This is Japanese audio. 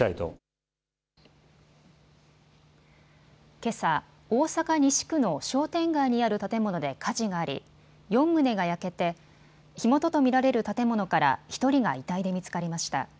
けさ大阪西区の商店街にある建物で火事があり４棟が焼けて火元と見られる建物から１人が遺体で見つかりました。